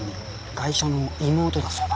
ガイシャの妹だそうだ。